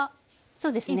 そうですね。